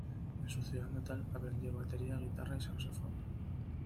En su ciudad natal, aprendió batería, guitarra y saxofón.